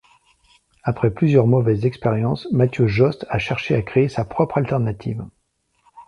Après plusieurs mauvaises expériences, Matthieu Jost a cherché à créer sa propre alternative.